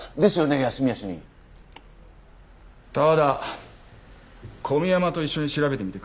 多和田古宮山と一緒に調べてみてくれ。